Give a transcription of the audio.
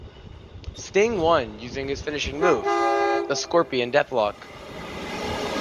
Sting won using his finishing move, the Scorpion Deathlock.